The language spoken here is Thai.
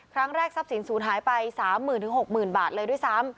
ครั้งแรกทรัพย์ศีลสูญหายไป๓๐๐๐๐ถึง๖๐๐๐๐บาทเลยด้วยซ้ำ